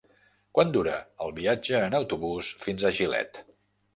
Quant dura el viatge en autobús fins a Gilet?